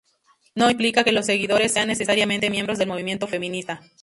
No implica que los seguidores sean necesariamente miembros del movimiento feminista.